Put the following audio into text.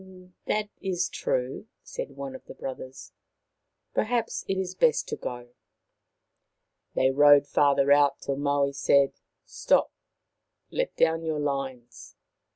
" That is true," said one of the brothers. " Per haps it is best to go." They rowed farther out, till Maui said, " Stop. Let down your lines."